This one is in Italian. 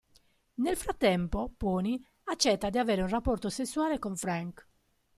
Nel frattempo, Pony accetta di avere un rapporto sessuale con Frank.